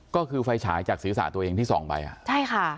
ก็คือไฟฉายจากศีรษะตัวเองที่ส่องไปอ่ะใช่ค่ะ